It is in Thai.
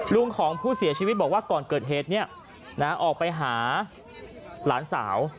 ลุงของผู้เสียชีวิตบอกว่าก่อนเกิดเหตุออกไปหาหลานสาว